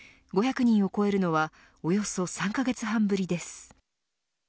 ５００人を超えるのはおよそ３カ月半ぶりです。